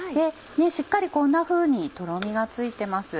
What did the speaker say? しっかりこんなふうにとろみがついてます。